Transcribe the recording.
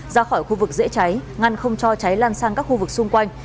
ra khỏi khu vực dễ cháy ngăn không cho cháy lan sang các khu vực xung quanh